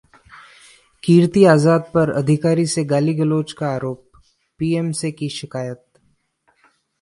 कीर्ति आजाद पर अधिकारी से गाली-गलौज का आरोप, पीएम से की शिकायत